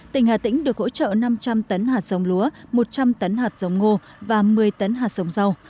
tỉnh hà tĩnh được hỗ trợ năm trăm linh tấn hạt sống lúa một trăm linh tấn hạt giống ngô và một mươi tấn hạt sống rau